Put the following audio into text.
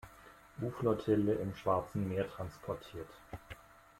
U-Flottille im Schwarzen Meer transportiert.